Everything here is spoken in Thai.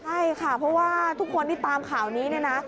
ใช่ค่ะเพราะว่าทุกคนที่ตามข่าวนี้เนี่ยนะ